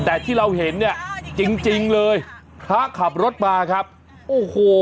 แต่ที่เราเห็นเนี่ยจริงจริงเลยพระขับรถมาครับโอ้โห